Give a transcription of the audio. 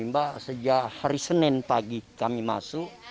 ya pak sejak hari senin pagi kami masuk